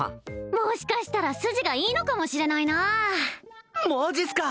もしかしたら筋がいいのかもしれないなマジっすか！？